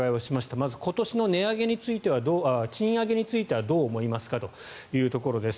まず、今年の賃上げについてはどう思いますかというところです。